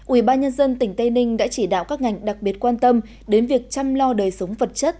ubnd tỉnh tây ninh đã chỉ đạo các ngành đặc biệt quan tâm đến việc chăm lo đời sống vật chất